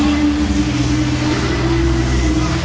สุดท้ายสุดท้ายสุดท้าย